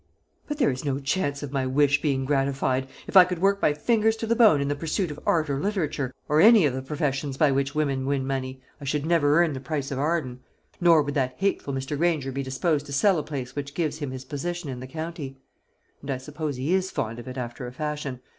"But there is no chance of my wish being gratified. If I could work my fingers to the bone in the pursuit of art or literature, or any of the professions by which women win money, I should never earn the price of Arden; nor would that hateful Mr. Granger be disposed to sell a place which gives him his position in the county. And I suppose he is fond of it, after a fashion.